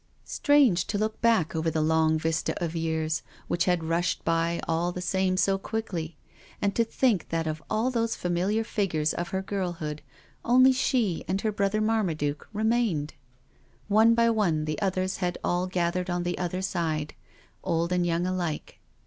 Strange to look i88 'NO SURRENDER back over the long vista of years, which had rushed by all the same so quickly, and to think that of all those familiar figures of her girlhood only she and her brother Marmaduke remained. One by one the others had all gathered on the Other Side, old and young alike.